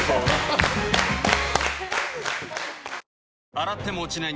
洗っても落ちない